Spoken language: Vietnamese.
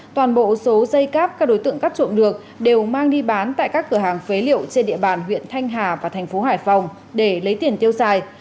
toàn bộ số dây cáp các đối tượng cắt trộm được đều mang đi bán tại các cửa hàng phế liệu trên địa bàn huyện thanh hà và thành phố hải phòng để lấy tiền tiêu xài